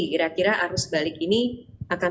kira kira arus balik ini akan